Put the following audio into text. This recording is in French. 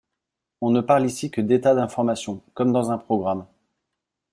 On ne parle ici que d’états d’information, comme dans un programme.